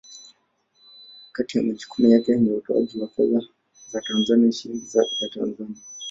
Kati ya majukumu yake ni utoaji wa fedha za Tanzania, Shilingi ya Tanzania.